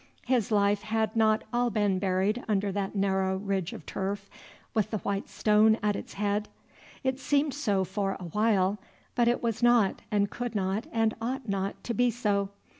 His life had not all been buried under that narrow ridge of turf with the white stone at its head. It seemed so for a while; but it was not and could not and ought not to be so.